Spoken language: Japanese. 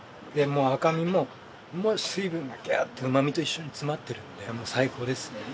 赤身も水分がギューッとうまみと一緒に詰まっているので最高ですね。